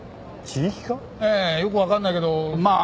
ええよく分かんないけどまあ